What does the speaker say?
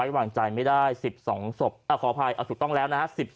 วางใจไม่ได้๑๒ศพขออภัยถูกต้องแล้วนะฮะ